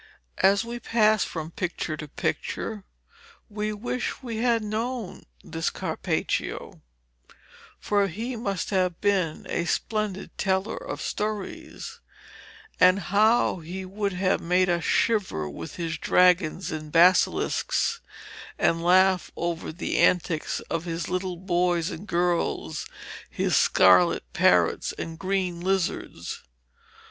As we pass from picture to picture, we wish we had known this Carpaccio, for he must have been a splendid teller of stories; and how he would have made us shiver with his dragons and his basilisks, and laugh over the antics of his little boys and girls, his scarlet parrots and green lizards.